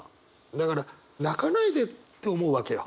だから泣かないでって思うわけよ。